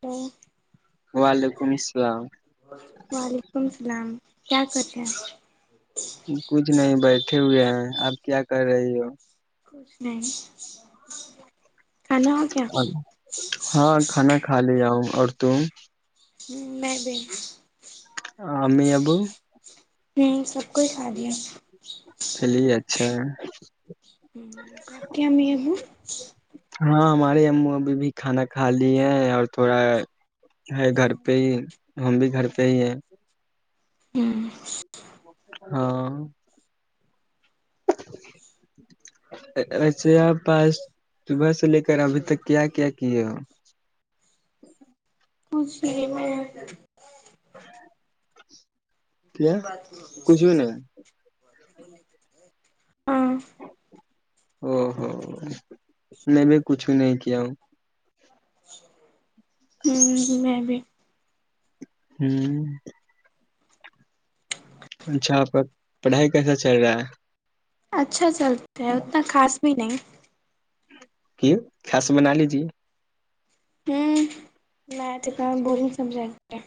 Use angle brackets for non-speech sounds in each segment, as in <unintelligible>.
تو وعلیکم السلام وعلیکم السلام کیا کرتے ہیں کچھ نہیں بیٹھے ہوئے ہیں اپ کیا کر رہی ہو کچھ نہیں کھانا ہو کیا ہاں کھانا کھا لے آؤں اور توم میں دن آ امی ابو ہوں سب کوئی کا دیا چلیے اچھا ہ آپ کی ہمیں ابو ہاں ہمارے او ابھی بھی کھانا کھا لی ہے اور تھوڑا ہے گھر پہ ہی ہم بھی گھر پہ ہی ہیں ہوں ہاں ایسے پاس صبح سے لے کر ابھی تک کیا کیا کیے ہو اس شے میں ہے <unintelligible> کیا کچھ بھی نہیں ہاں ہ ہاں نہیں میں کچھ بھی نہیں کیا ہوں <unintelligible> ہوں میں بھی <unintelligible> ہوں <unintelligible> اچھا پڑھائی کیسا چل رہا ہے <unintelligible> اچھا اچھا <unintelligible> چلتے ہیں اتنا خاص <unintelligible> کوئی نہیں <unintelligible> کی خس بنا لیجیے <unintelligible> ہوں <unintelligible> میھ اتنا بورنگ سمجھا گ <unintelligible> ا <unintelligible>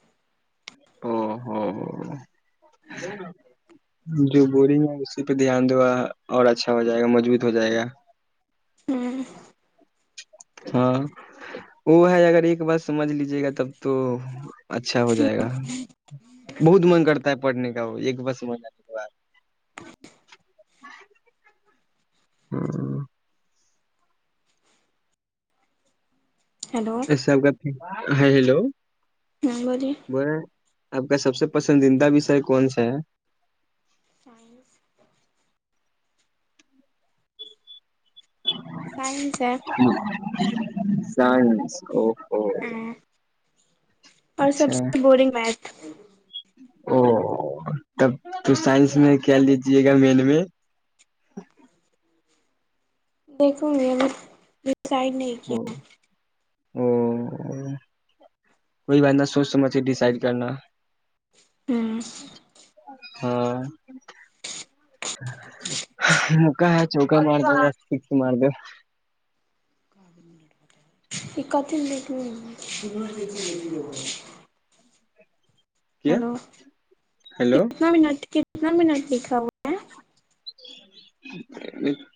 او ہو ہو جو بورنگ ہے اسی پہ دھیان دو گا اور اچھا ہو جائے گا مضبوط ہو جائے گا <unintelligible> ہوں <unintelligible> ہاں وہ ہے اگر ایک بار سمجھ لیجیے گا تب تو اچھا ہو جائے گا بہت من کرتا ہے پڑھنے کا وہ ایک بار سمجھ ب <unintelligible> ہیلو اسساب کرتے ہیں <unintelligible> ہاں ہیلو <unintelligible> ہاں بجی <unintelligible> ب آپ کا سب سے پسندیدہ وشے کون سا ہے <unintelligible> سائنس سائنس ہے <unintelligible> سانسکو <unintelligible> <unintelligible> ہوں اور سب سے بورنگ میچ <unintelligible> ا <inaudible> <unintelligible> او تب تو سائنس میں کیا لیجیے گا مین میں <unintelligible> دیکھوں گی میں <unintelligible> ڈسائڈ نہیں کیا او <unintelligible> او کوئی بات نہ سوچ سمجھ ڈسائڈ کرنا ہوں ہاں مکا ہے چوکا مار دو فس مار دو اکت مٹ میں <unintelligible> ج <unintelligible> کیا ہیلو ہیلو کتنا منٹ کے کتنا منٹ ٹھیک ہے وہ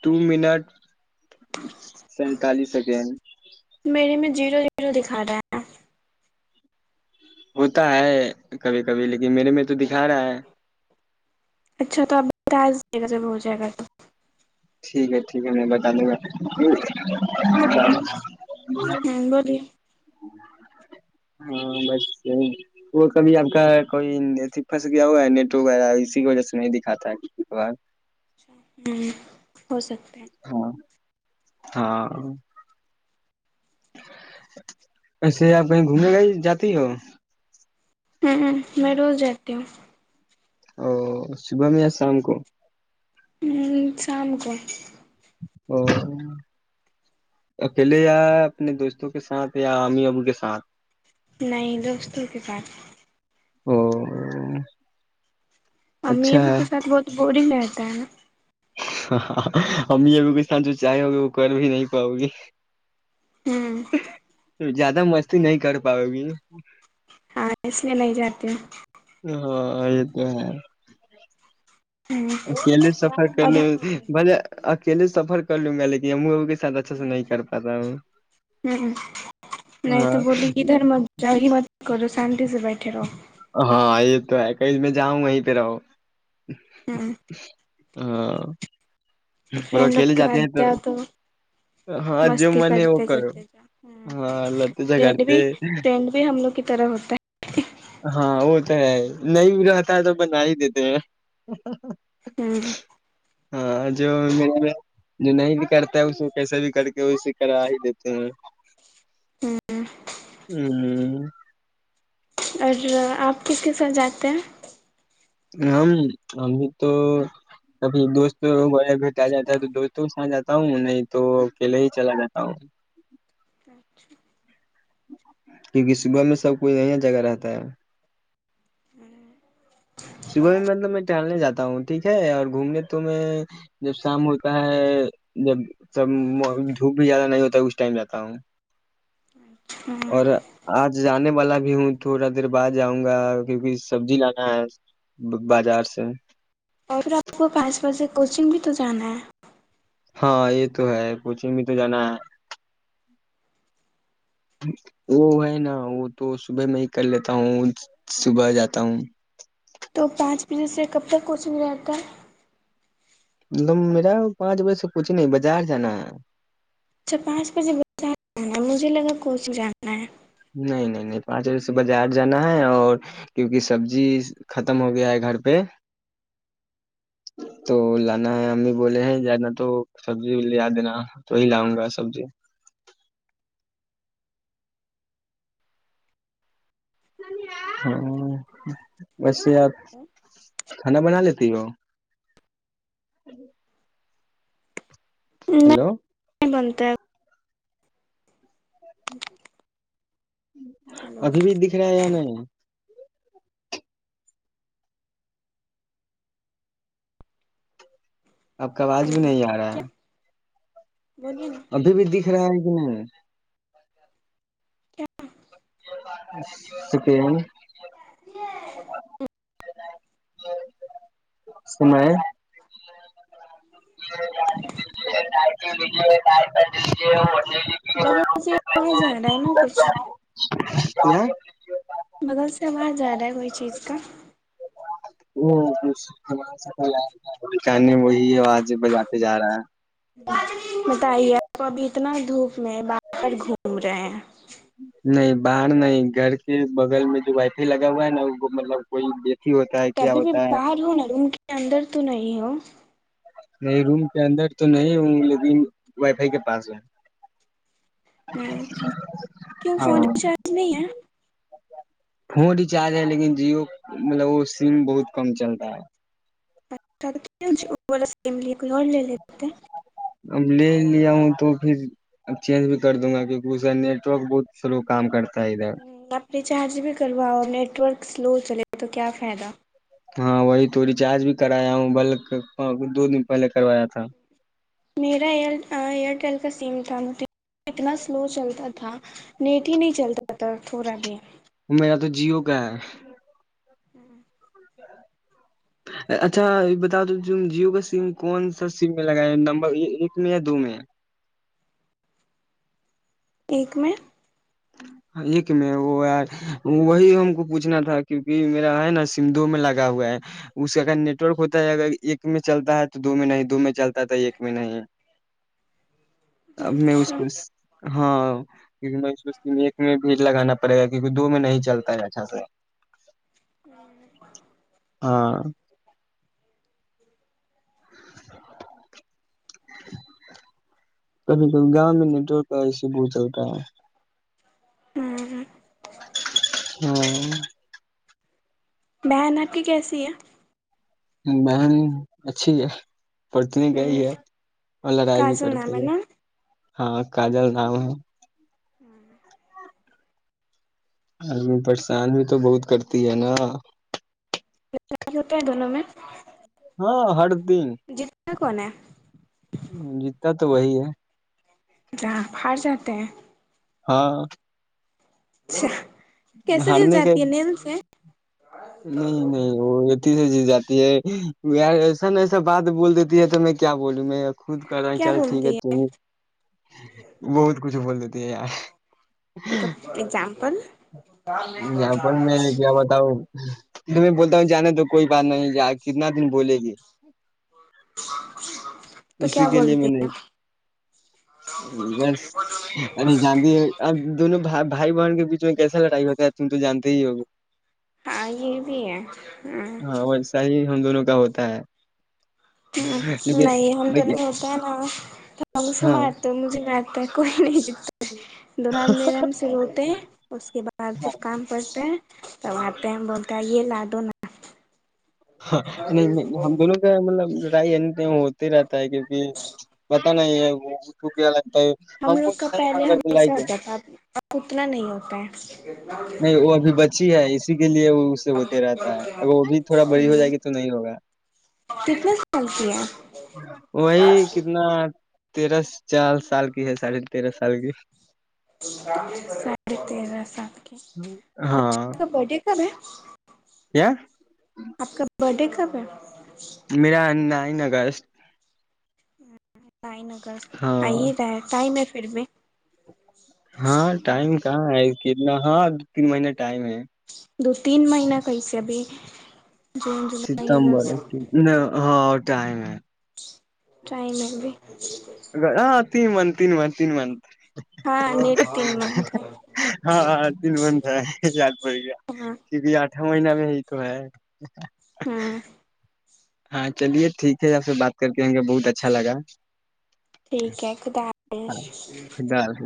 دو منٹ سینتالس سیکنڈ میرے میں زیرو زیرو دکھا رہے ہیں ہوتا ہے کبھی کبھی لیکن میرے میں تو دکھا رہا ہے اچھا تو آپ بتا دیجے گا جب ہو جائے گا تو ٹھیک ہے ٹھیک ہے میں بتا دوں گا ہ بولیے ہاں بس یہ وہ کبھی آپ کا کوئی اھی پھنس گیا ہوا ہے نیٹ وغیرہ اسی کی وجہ سے نہیں دکھاتا ہے اچھا ہہم ہو سکتا ہیں ہاں ہاں ایسے آپ کہیں گھومنے گ جاتی ہو ہوں ہ میں روز جاتی ہوں او صبح میں یا شام کو ہوں سام کون ا اکیلے یا اپنے دوستوں کے ساتھ یا امی ابو کے ساتھ ن دوستوں کے بات او امی اچھا اب کے ساتھ بہت اور متان ہاں ا یہ ا بھی ک ساتھ جو چاہیں ہوگے وہ کر بھی نہیں پاؤ گی ہ زیادہ مستی نہیں کر پاؤ گی ہاں اس میں ل جاتے ہ ہاں یہ تو ہے ہ اکیلے سفر اور کرنے ہ بے اکیلے سفر کر لوں گا لیکن ساتھ اچھے سے نہیں کر پاتا ہوں نہیں ہاں تو بولی کہدھر مجہ م کر سان روزی بہ تیرو ہاں یہ تو ہے کہئی میں جاؤں وہیں پہ رہو ہ ہاں اور فرینڈ لوگ اکیلے جاتے کےات ہیں جا تو ہاں جو مستی من ہے وہ کرتے کرو کرتے جا ہاں لڑتے فریڈ بھی جھگڑتے فرینڈ بھی ہم لوگ کی طرح ہوتا ہے ہاں وہ تو ہے نہیں رہتا ہے تو بنا ہی دیتے ہیں ہے ہوں ہاں جو م جو نہیں بھی کرتا اس کیسے بھی کر کے ویے کرا ہی دیتے ہیں ہوں ہ اور آپ کس کے ساتھ جاتے ہیں ہم ا بھی تو کبھی دوستوں گ بیٹ آ جاتا ہے تو دوستوں کے ساتھ جاتا ہوں نہیں تو اکیلے ہی چلا جاتا ہوں کیونکہ صبح میں سب کوئی نیا جگہ رہتا ہے صبح میں مطلب میں ٹہلنے جاتا ہوں ٹھیک ہے اور گھومنے تو میں جب شام ہوتا ہے جبب دھوپ بھی زیادہ نہیں ہوتا ہے اس ٹائم جاتا ہوں ہوں اور آج جانے والا بھی ہوں تھوڑا دیر بعد جاؤں گا کیکہ سبزی لانا ہے بازار سے اور پھر آپ کو پانچ بجے کوچنگ بھی تو جانا ہے ہاں یہ تو ہے کوچن میں تو جانا ہے وہ ہے نا وہ تو صبح میں ہی کر لیتا ہوں صبح جاتا ہوں تو پانچ پھر جس سے کب تک کوچنگ رہتا ہے م میرا پانچ بجے سے کچھ نہیں بازار جانا ہے اچھا پانچ بجے با مجھے لگا کون س جانا ہے نہیں نہیں نہیں پانچ بجے سے بازار جانا ہے اور کیونکہ سبزی ختم ہو گیا ہے گھر پہ تو لانا ہے امی بولے ہیں جانا تو سبزی لےیا دینا تو ہی لاؤ گا سبزی ہ بس آپ کھانا بنا لیتی ہو نہیں ہیلو نہیں بنتی ت ج ہلو ابھی بھی دکھ رہا ہے ی نہیں اب کا آوج بھی نہیں آ رہا ہے کیا بولیے نا ابھی بھی دکھ رہا ہے ج کیا سکین چسری ہے س میں ہے کر ج بغل سے آواز آ رہا ہے نا کچھ ہوں بغل سے آواز ج رہا ہے کوئی چیز کا ے وہی آواز بجاتے جا رہا ہے ت کو اب اتنا دھوپ میں باہر گھوم رہے ہیں نہیں باہر نہیں گھر کے بغل میں جو وائی فائی لگا ہوا ہے نا وہ مطلب کوئی ہوتا ہے کیا کبھی بھی ہوتا ہے باہر ہو نا روم کے اندر تو نہیں ہو نہیں روم کے اندر تو نہیں ل وائی فائی کے پاس ہے ہوں کیوں فون ہاں ریچارج نہیں ہے فون ریچارج ہے لیکن جیو مطلب وہ سم بہت کم چل رہا ہے اچھا تو وال ل ل لیے اب لے لیا ہوں تو پھر ا چینج بھی کر دوں گا کیونکہ اسے نیٹورک بہت سلو کام کرتا ہے ادھر ہ ب <unintelligible> چارج بھی کروا اور نیٹ ورک سلو چلے تو کیا فائدہ ہاں وہی تو ریچارج بھی کرایا ہوں بلکچ دو دن پہلے کروایا تھا میرا ایئرٹیل کا سم تھام ت وہ کتنا سلو چلتا تھا تھا نیٹ ہی نہیں چلتا پتا تھورا بھی میرا تو جیو کا ہے ہوں <inaudible> اچھا بتا دو جیو کا سم کون سا سم میں لگایا نمبر یہ ایک میں یا دو میں ایک میں ایک میں وہ یار وہی ہم کو پوچھنا تھا کیونکہ میرا ہے نا سم دو میں لگا ہوا ہے اس کا اگر نیٹورک ہوتا ہے اگر ایک میں چلتا ہے تو دو میں نہیں دو میں چلتا تھا ایک میں نہیں اب میں اس اچھا کو ہاں <unintelligible> ایک میں بھی لگانا پڑے گا کیکہ دو میں نہیں چلتا ہے اچھا سے ہوں ہاں <inaudible> <inaudible> <unintelligible> کبھی کبھی گاؤں میں نہیںٹتا ایسے ب چلتاا ہے ہوں ہ ہوں بہن آ کی کیسی ہے بہن اچھی ہے پڑچنی گئی ہوں ہے اور لڑائی بھی کاجل کرتی نام ہے نا ہاں کاجل نام ہے ہوں <inaudible> آدمی پریشان بھی تو بہت کرتی ہے نا ج ہوتا ہے دونوں میں ہاں ہڈ تین کیا کون جتا تو وہی ہے ج پر جات ہیں ہاں ج ہارنے کے نہیں نہیں وہتی ج جات یار ای سا ن ایسا بات بول دیتی ہے تو میں کیا بولوں میں خود کر رہا ہیں کیا چل ٹھیک ہے بولتی ت بہت کچھ بول دیتی ہے یار ا اگزامپل ج پ میں کیا بتاؤ میں بولتا ہوں جانا تو کوئی بات نہیں کتنا دن بولے گی تو اسی کیا کے لیے بولتی میں نے ہیں بس ارے جاند اب دونوں بھائی بہن کے بیچ مس س ل ائ ہوتا ہے تم تو جتے ہی ہوے ہاں یہ بھی ہے ہ ہاں ویسا ہی دونوں کا ہوتا ہے ہ لیکن نہیں ہم تو دیکھیے نہیں ہوتا ناے ہاں مارتے مجھے مار تو کوئی نہیں چ دلہ ہات میر ہم سے روتے اس کے بعد پھر ہاں کام کرتے ہیں تب آتے ہیں ہم بولتے یہ ل تونا ہاں نہیں ہم دونوں کا مطلب رائی ہوتا ہی رہتا ہے کیونکہ پت نہیں ہے ٹھکگ ہم لوگ کو تو کا نہیں پہلے مگ کر کے ہمیشہ لائک ہے ہوتا تھا اب اتنا نہیں ہوتا ہے نہیں وہ ابھی بچی ہے اسی کے لیے وہ اس سے ہوتے رہتا ہے ا وہ بھی تو تھوڑا بڑی ہو جائے ہمم گی تو نہیں ہوگا کتنے سال کی ہے وہی کتنا تیرہ چار سال کی ہے ساھے تیرہ سال کی ساھے تیرہ سات کے ہاں ا کا ب ڈے کب ہے کیا بڈے خبر میرا نائن اگست تین اگست ہاں آئی رہ ہے ٹائم پھر میں ہاں ٹائم کہاں ہے اس کیتنا ہاں تین مہین ٹائم ہے دو تین مہینہ کایس ابھی جون جولائی ستبر اگست ہاں ٹائم ہے ٹائم بھی ج بک تینن من تینن مار تینن من ہاں نیٹ تین منتھ ہے ہاں تین بند ہے یاد پڑ گیا ہاں کی بھی آٹ اا مہینہ میں ہی تو ہے ہاں ہاں چلیے ٹھیک ہے آپ سے بات کرتے ہ بہت اچھا لگا ٹھیک ہے خداظ ہاں، خدا حافظ